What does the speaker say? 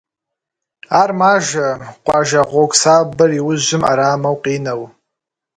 Ар мажэ къуажэ гьуэгу сабэр и ужьым ӏэрамэу къинэу.